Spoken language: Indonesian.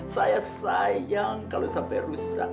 saya sayang kalau sampai rusak